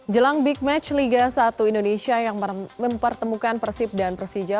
jelang big match liga satu indonesia yang mempertemukan persib dan persija